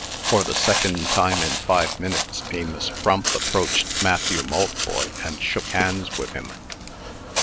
For the second time in five minutes, Amos Frump approached Matthew Maltboy, and shook hands with him.